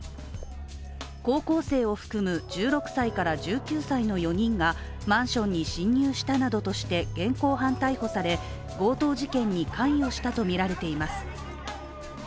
高校生を含む１６歳から１９歳の４人がマンションに侵入したなどとして現行犯逮捕され、強盗事件に関与したとみられています。